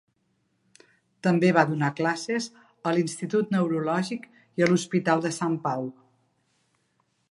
També va donar classes a l'Institut Neurològic i a l'Hospital de Sant Pau.